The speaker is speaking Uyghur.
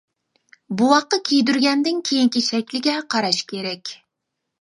بوۋاققا كىيدۈرگەندىن كېيىنكى شەكلىگە قاراش كېرەك.